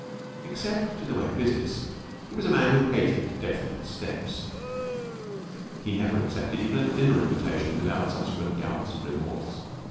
Except in the way of business, he was a man who hated definite steps. He never accepted even a dinner invitation without subsequent doubts and remorse.